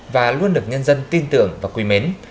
và luôn được nhân dân tin tưởng và quý mến